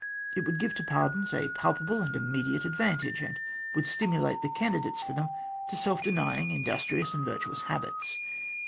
It would give to pardons a palpable and immediate ad vantage, and would stimulate the candidates for them to self denying, industrious, and virtuous habits.